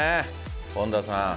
本田さん。